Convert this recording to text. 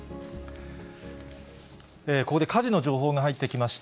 ここで火事の情報が入ってきました。